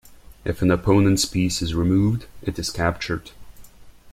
If an opponent's piece is removed, it is captured.